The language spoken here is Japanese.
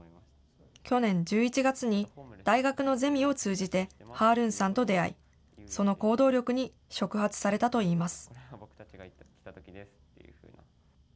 去年１１月に、大学のゼミを通じてハールーンさんと出会い、その行動力に触発されたといいます。